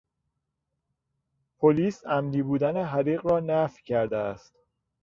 پلیس عمدی بودن حریق را نفی کرده است.